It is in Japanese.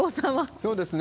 そうですね。